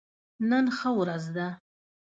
نن ښه ورځ ده